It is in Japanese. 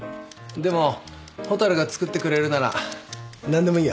でも蛍が作ってくれるなら何でもいいよ。